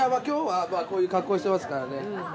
今日はこういう格好してますからね。